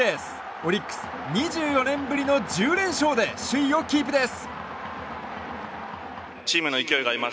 オリックス、２４年ぶりの１０連勝で首位をキープです！